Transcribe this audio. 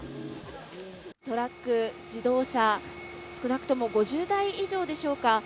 トラック、自動車、少なくとも５０台以上でしょうか。